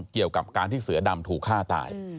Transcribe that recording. เกี่ยวกับการที่เสือดำถูกฆ่าตาย